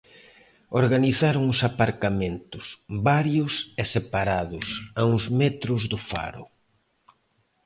Organizaron os aparcamentos, varios e separados, a uns metros do faro.